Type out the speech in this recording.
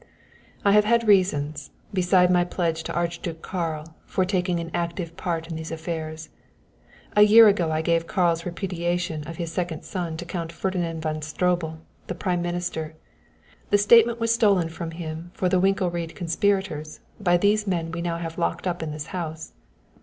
I have had reasons, besides my pledge to Archduke Karl, for taking an active part in these affairs. A year ago I gave Karl's repudiation of his second son to Count Ferdinand von Stroebel, the prime minister. The statement was stolen from him for the Winkelried conspirators by these men we now have locked up in this house."